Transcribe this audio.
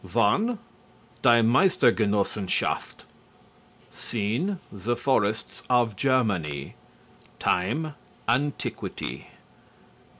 _ I DIE MEISTER GENOSSENSCHAFT SCENE: The Forests of Germany. TIME: Antiquity.